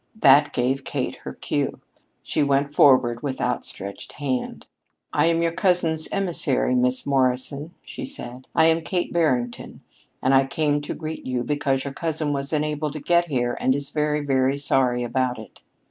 That gave Kate her cue. She went forward with outstretched hand. "I am your cousin's emissary, Miss Morrison," she said. "I am Kate Barrington, and I came to greet you because your cousin was unable to get here, and is very, very sorry about it."